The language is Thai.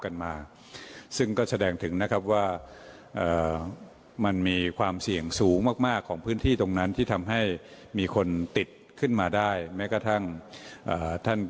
ยังไม่ติดเชื้อครับ